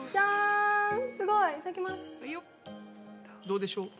どうでしょう？